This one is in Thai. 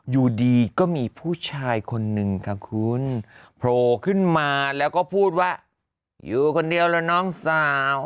อยู่ดีก็มีผู้ชายคนนึงค่ะคุณโผล่ขึ้นมาแล้วก็พูดว่าอยู่คนเดียวแล้วน้องสาว